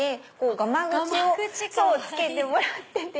がまぐちをつけてもらってて。